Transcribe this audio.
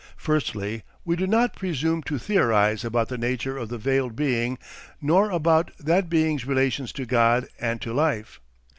Firstly, we do not presume to theorise about the nature of the veiled being nor about that being's relations to God and to Life.